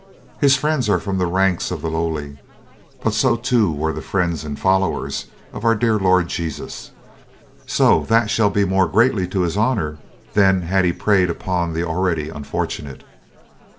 "His friends are from the ranks of the lowly, but so too were the friends and followers of our Dear Lord Jesus; so that shall be more greatly to his honor than had he preyed upon the already unfortunate.